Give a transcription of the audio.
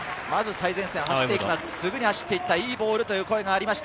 最前線に走っていきます。